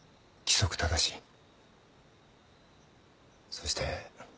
そして。